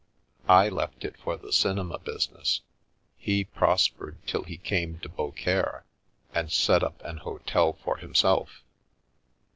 I left it for the cinema business; he prospered till he came to Reaucaire, and set up an hotel for himself.